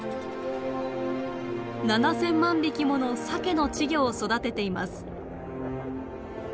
７，０００万匹ものサケの稚魚を育てています。